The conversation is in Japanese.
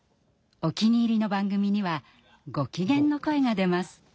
お気に入りの番組にはご機嫌の声が出ます。